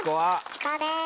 チコです。